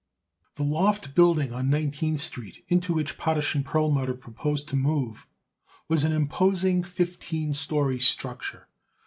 The loft building on Nineteenth Street into which Potash & Perlmutter proposed to move was an imposing fifteen story structure.